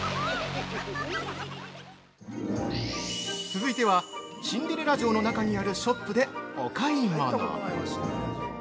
◆続いては、シンデレラ城の中にあるショップでお買い物。